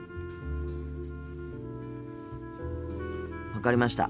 分かりました。